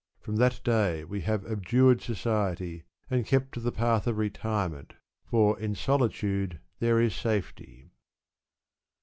From that day we have abjured society, and kept to the path of retire ment, for, in solitude there is safety.